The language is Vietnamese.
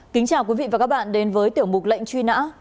kính chào quý vị và các bạn đến với tiểu mục lệnh truy nã